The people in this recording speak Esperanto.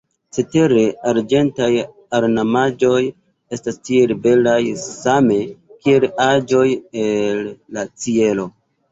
Cetere arĝentaj ornamaĵoj estas tiel belaj, same kiel aĵoj el la ĉielo.